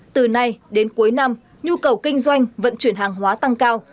từ nay đến cuối năm nhu cầu kinh doanh vận chuyển hàng hóa tăng cao